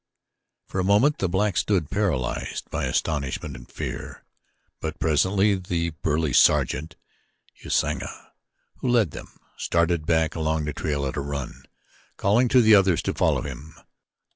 For a moment the blacks stood paralyzed by astonishment and fear; but presently the burly sergeant, Usanga, who led them, started back along the trail at a run, calling to the others to follow him.